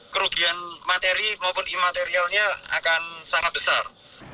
kerugian materi maupun imaterialnya akan sangat besar